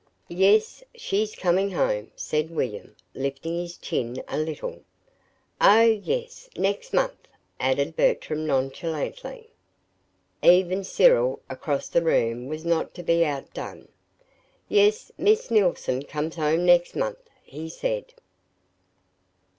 "Yes, she's coming home," said William, lifting his chin a little. "Oh, yes, next month," added Bertram, nonchalantly. Even Cyril across the room was not to be outdone. "Yes. Miss Neilson comes home next month," he said.